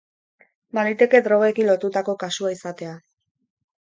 Baliteke drogekin lotutako kasua izatea.